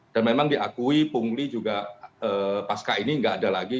dan memang diakui kungli juga pasca ini nggak ada lagi